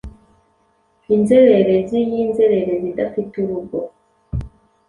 Inzererezi y'inzererezi idafite urugo;